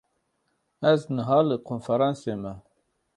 Ez niha li konferansê me.